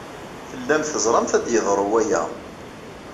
Tellamt teẓramt ad yeḍru waya!